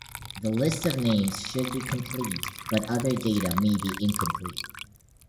The list of names should be complete, but other data may be incomplete.